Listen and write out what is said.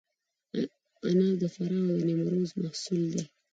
عناب د فراه او نیمروز محصول دی.